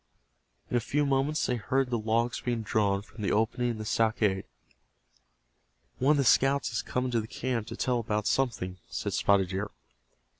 In a few moments they heard the logs being drawn from the opening in the stockade. "One of the scouts has come into the camp to tell about something," said Spotted Deer.